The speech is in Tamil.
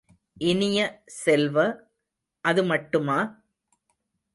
இனிய செல்வ, அது மட்டுமா?